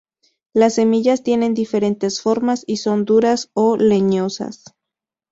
Las semillas tienen diferentes formas y son duras o leñosas.